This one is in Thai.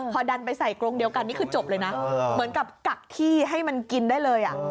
พอดันไปใส่กรงเดียวกันนี่คือจบเลยนะเหมือนกับกักที่ให้มันกินได้เลย